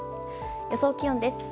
予想気温です。